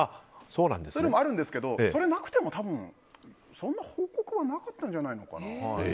そういうのもあるんですけどそれなくても、多分報告はなかったんじゃないかな。